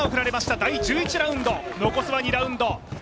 第１１ラウンド、残すは２ラウンド。